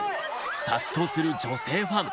殺到する女性ファン。